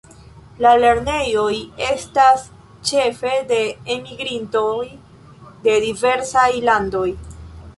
La lernejoj estas ĉefe de enmigrintoj de diversaj landoj.